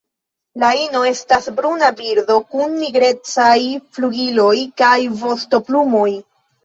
La ino estas bruna birdo kun nigrecaj flugiloj kaj vostoplumoj.